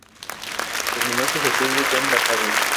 Terminó sus estudios en Batavia.